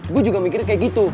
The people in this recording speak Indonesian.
gue juga mikir kayak gitu